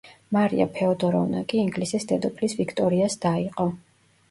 მარია ფეოდოროვნა კი ინგლისის დედოფლის ვიქტორიას და იყო.